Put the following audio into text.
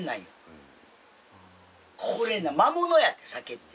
これな魔物やで酒って。